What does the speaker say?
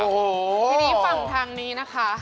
โอ้โฮทีนี้ฝั่งทางนี้นะคะ